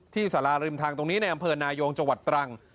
สาราริมทางตรงนี้ในอำเภอนายงจังหวัดตรัง